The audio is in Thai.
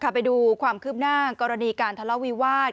ไปดูความคืบหน้ากรณีการทะเลาวิวาส